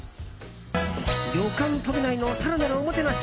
旅館とびないの更なるおもてなし。